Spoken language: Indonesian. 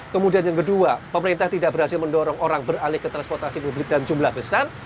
kemudian yang kedua pemerintah tidak berhasil mendorong orang beralih ke transportasi publik dalam jumlah besar